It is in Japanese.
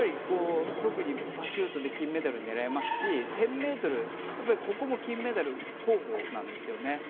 特にパシュートで金メダル狙えますし１０００ｍ、ここも金メダル候補なんですよね。